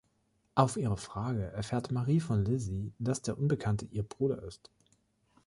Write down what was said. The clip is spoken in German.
Auf ihre Frage erfährt Marie von Lizzie, dass der Unbekannte ihr Bruder ist.